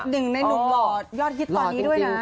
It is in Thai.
หนึ่งในหนุ่มหล่อยอดฮิตตอนนี้ด้วยนะ